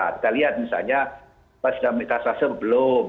kita lihat misalnya pas sudah mengambil tas laser belum